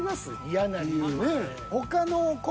嫌な理由。